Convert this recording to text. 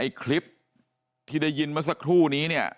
ไอคลิปที่ได้ยินมาสักท่วว์นี้เนี่ย